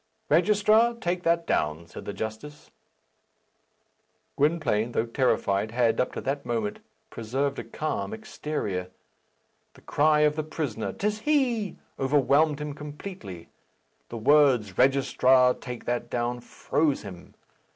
"Registrar, take that down," said the justice. Gwynplaine, though terrified, had, up to that moment, preserved a calm exterior. The cry of the prisoner, "'Tis he!" overwhelmed him completely. The words, "Registrar, take that down!" froze him.